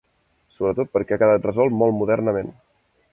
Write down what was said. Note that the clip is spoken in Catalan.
Sobretot perquè ha quedat resolt molt modernament.